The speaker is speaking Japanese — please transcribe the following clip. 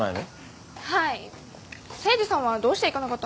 はい誠治さんはどうして行かなかったんですか？